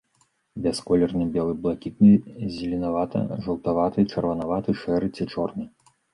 Бясколерны, белы, блакітны, зеленаваты, жаўтаваты, чырванаваты, шэры ці чорны.